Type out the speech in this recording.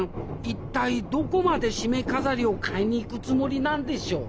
一体どこまでしめ飾りを買いに行くつもりなんでしょう？